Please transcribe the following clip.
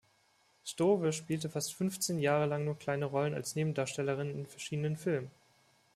Stowe spielte fast fünfzehn Jahre lang nur kleine Rollen als Nebendarstellerin in verschiedenen Filmen.